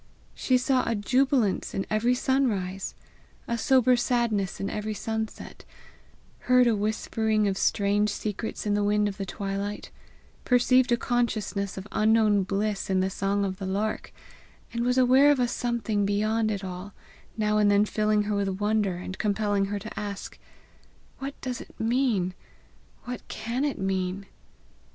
She saw a jubilance in every sunrise, a sober sadness in every sunset; heard a whispering of strange secrets in the wind of the twilight; perceived a consciousness of unknown bliss in the song of the lark; and was aware of a something beyond it all, now and then filling her with wonder, and compelling her to ask, "What does it, what can it mean?"